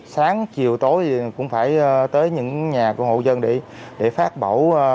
sáng chiều tối cũng phải tới những nhà của hộ dân để phát bổ